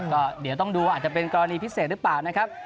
ก็เดี๋ยวต้องดูว่าอาจจะเป็นกรณีพิเศษหรือเปล่านะครับ